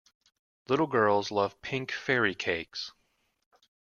Little girls love pink fairy cakes.